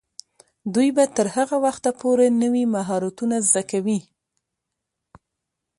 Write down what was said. دوی به تر هغه وخته پورې نوي مهارتونه زده کوي.